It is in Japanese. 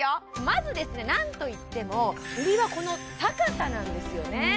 まずですねなんといっても売りはこの高さなんですよね